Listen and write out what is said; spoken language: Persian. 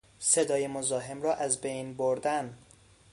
صدای مزاحم را از بین بردن